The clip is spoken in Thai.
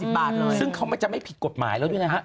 ซึ่งเขาจะไม่ผิดกฎหมายแล้วด้วยนะฮะ